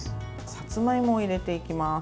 さつまいもを入れていきます。